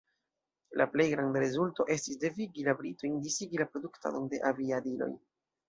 La plej granda rezulto estis devigi la britojn disigi la produktadon de aviadiloj.